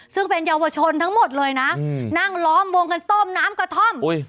ซึ่งเป็นเยาวชนทั้งหมดเลยนะนั่งล้อมวงกันต้มน้ำกระท่อม